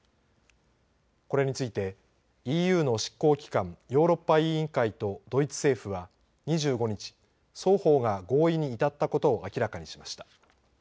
これについて、ＥＵの執行機関ヨーロッパ委員会とドイツ政府は２５日、双方が合意に至ったことを明らかにしました。